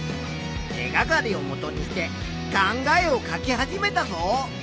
手がかりをもとにして考えを書き始めたぞ！